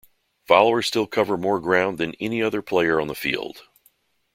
Followers still cover more ground than any other player on the field.